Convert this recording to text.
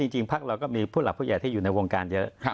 พักเราก็มีผู้หลักผู้ใหญ่ที่อยู่ในวงการเยอะ